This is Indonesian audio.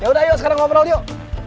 yaudah ayo sekarang ngobrol yuk